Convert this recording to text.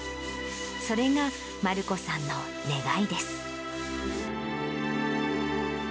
それが団姫さんの願いです。